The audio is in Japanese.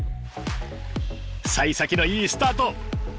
幸先のいいスタート！